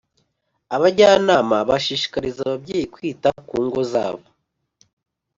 abajyanama bashishikariza ababyeyi kwita kungo zabo